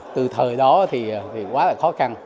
từ thời đó thì quá là khó khăn